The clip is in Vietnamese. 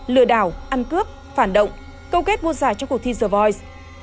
lừa đào ăn cướp phản động câu kết mua giải cho cuộc thi the voice